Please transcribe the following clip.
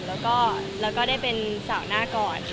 และก็ได้เป็นสาวหน้ากอด